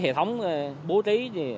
hệ thống bố trí